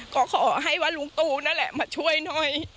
ก็ขอให้ว่าลุงตูนั่นแหละมาช่วยหน่อย